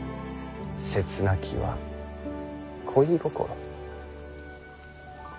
切なきは恋心。